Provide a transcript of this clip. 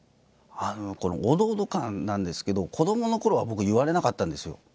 このオドオド感なんですけど子どものころは僕言われなかったんですよ。